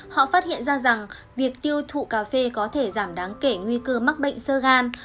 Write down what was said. họ phát hiện ra rằng việc tiêu thụ cà phê có thể giảm đáng kể nguy cơ mắc bệnh sơ gan